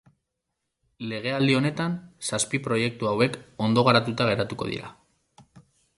Legealdi honetan zazpi proiektu hauek ondo garatuta geratuko dira.